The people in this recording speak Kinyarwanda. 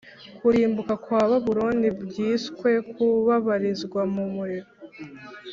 Kurimbuka kwa Babuloni byiswe kubabarizwa mu muriro